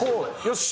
よし！